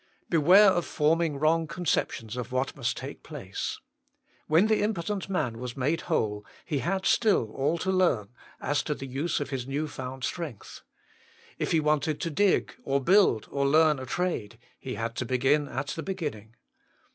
Beware of form ing wrong conceptions of what must take place. When the impotent man was made whole he had still all to learn as to the use of his new found strength. If he wanted to dig, or build, or learn a trade, he had to begin at the beginning.